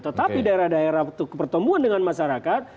tetapi daerah daerah pertemuan dengan masyarakat